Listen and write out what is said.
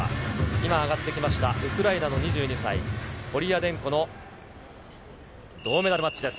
今、上がってきましたウクライナの２２歳、コリアデンコの銅メダルマッチです。